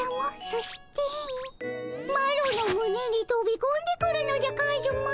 そしてマロのむねにとびこんでくるのじゃカズマ。